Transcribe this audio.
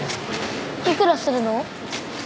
いくらするの？